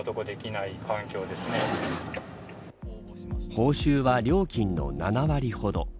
報酬は料金の７割ほど。